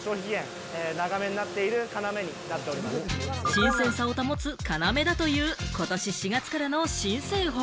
新鮮さを保つ要だという、ことし４月からの新製法。